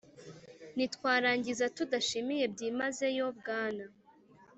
ntitwarangiza tudashimiye byimazeyo bwana